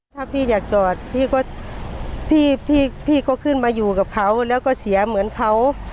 ถ้าพี่อยากจอดพี่ก็พี่พี่ก็ขึ้นมาอยู่กับเขาแล้วก็เสียเหมือนเขา